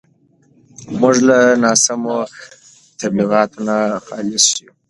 موږ له ناسم تبلیغاتو نه خلاص یو.